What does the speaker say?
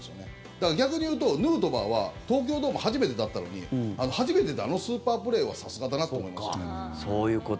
だから、逆にいうとヌートバーは東京ドーム初めてだったのに初めてであのスーパープレーはさすがだなと思いました。